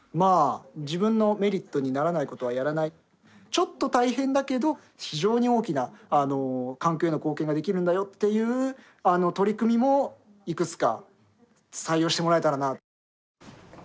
ちょっと大変だけど非常に大きな環境への貢献ができるんだよっていう取り組みもいくつか採用してもらえたらな。